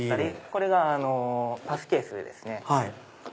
これがパスケースですね。